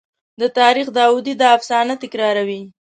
د تاریخ داودي دا افسانه تکراروي.